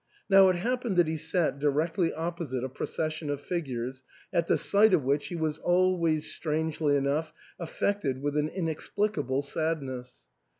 Now it hap pened that he sat directly opposite a procession of figures, at the sight of which he was always, strangely* enough, affected with an inexplicable sadness.